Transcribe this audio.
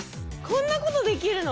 こんなことできるの？